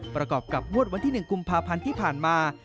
ประกอบกับงวดวันที่๑กุมภาพันธ์ที่ผ่านมา